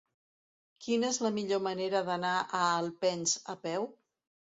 Quina és la millor manera d'anar a Alpens a peu?